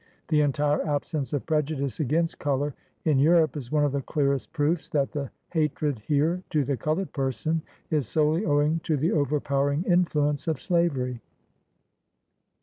The entire absence of prejudice against color in Europe is one of the clearest proofs that the hatred here to the colored person is solely owing to the overpowering influence of slavery.